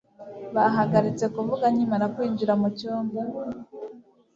bahagaritse kuvuga nkimara kwinjira mucyumba